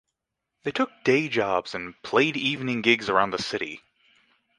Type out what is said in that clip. They took day jobs and played evening gigs around the city.